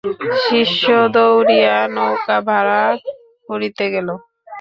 শিষ্য দৌড়িয়া নৌকা ভাড়া করিতে গেল।